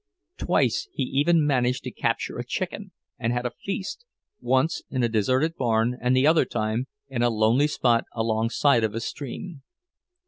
Twice he even managed to capture a chicken, and had a feast, once in a deserted barn and the other time in a lonely spot alongside of a stream.